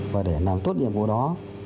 và để làm tốt nhiệm vụ đó